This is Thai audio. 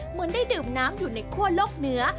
เหมือนได้ดื่มน้ำอยู่ในคั่วโลกเหนือ